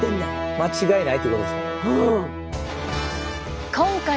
間違いないってことですからね。